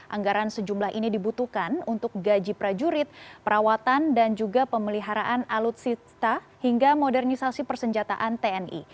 anggaran sejumlah ini dibutuhkan untuk gaji prajurit perawatan dan juga pemeliharaan alutsista hingga modernisasi persenjataan tni